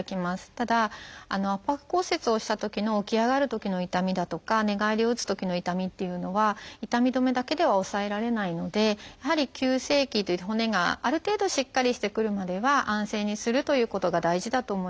ただ圧迫骨折をしたときの起き上がるときの痛みだとか寝返りを打つときの痛みっていうのは痛み止めだけでは抑えられないのでやはり急性期骨がある程度しっかりしてくるまでは安静にするということが大事だと思います。